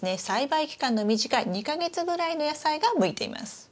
栽培期間の短い２か月ぐらいの野菜が向いています。